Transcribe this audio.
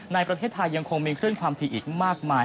ในประเทศไทยยังคงมีคลื่นความถี่อีกมากมาย